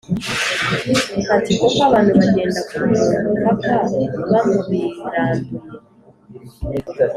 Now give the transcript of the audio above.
Ariko Koko abantu bagenda ku muntu paka bamubiranduye.